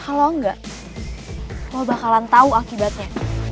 kalau enggak gue bakalan tau akibatnya